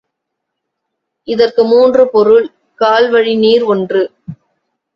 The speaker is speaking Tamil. இதற்கு மூன்று பொருள்— கால்வழி நீர் ஒன்று.